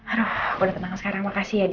aduh aku udah tenang sekarang makasih ya di